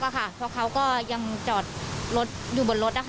เพราะเขาก็ยังจอดรถอยู่บนรถ